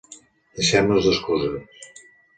Deixem-nos d'excuses